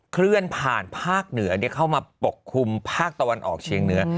เคลื่อนผ่านภาคเหนือเข้ามาปกคลุมภาคตะวันออกเชียงเหนือ